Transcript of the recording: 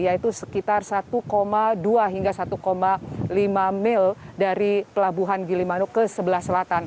yaitu sekitar satu dua hingga satu lima mil dari pelabuhan gilimanuk ke sebelah selatan